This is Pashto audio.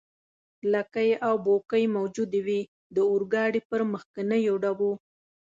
لکۍ او بوکۍ موجودې وې، د اورګاډي پر مخکنیو ډبو.